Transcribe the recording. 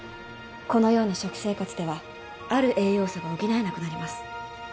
このような食生活ではある栄養素が補えなくなります。